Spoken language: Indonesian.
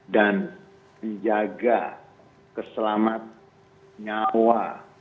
dan menjaga keselamat nyawa